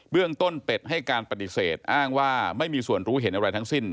เรื่องต้นเป็ดให้การปฏิเสธอ้างว่าไม่มีส่วนรู้เห็นอะไรทั้งสิ้น